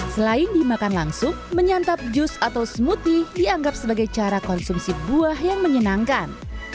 selain dimakan langsung menyantap jus atau smoothie dianggap sebagai cara konsumsi buah yang menyenangkan